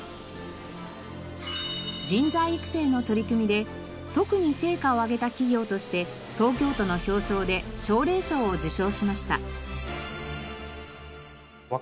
人材育成の取り組みで特に成果を上げた企業として東京都の表彰で奨励賞を受賞しました。